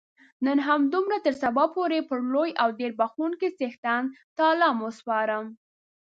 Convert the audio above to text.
نن همدومره تر سبا پورې پر لوی او ډېر بخښونکي څښتن تعالا مو سپارم.